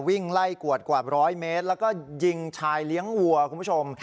วิ่งไล่กวดกว่าร้อยเมตรแล้วก็ยิงชายเลี้ยงวัวคุณผู้ชม